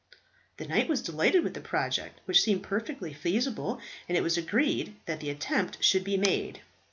The knight was delighted with the project, which seemed perfectly feasible, and it was agreed that the attempt should be made.